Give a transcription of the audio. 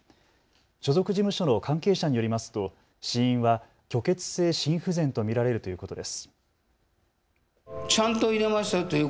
所属事務所の関係者によりますと死因は虚血性心不全と見られるということです。